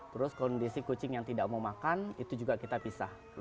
terus kondisi kucing yang tidak mau makan itu dibisa